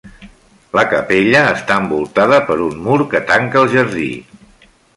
La capella està envoltada per un mur que tanca el jardí.